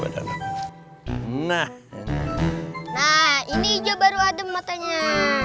nah ini juga baru adem matanya